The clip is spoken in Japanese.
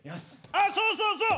ああそうそうそう！